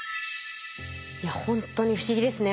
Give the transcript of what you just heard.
いやほんとに不思議ですね